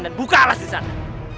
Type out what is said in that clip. dan buka alas disana